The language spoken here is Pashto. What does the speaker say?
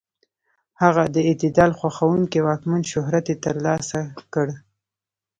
هغه د اعتدال خوښونکي واکمن شهرت یې تر لاسه کړ.